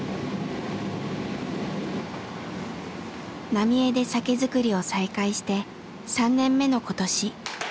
浪江で酒造りを再開して３年目のことし。